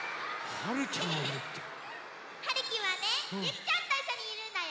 はるちゃん？はるきはねゆきちゃんといっしょにいるんだよ！